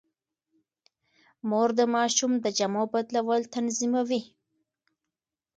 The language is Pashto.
مور د ماشوم د جامو بدلول تنظيموي.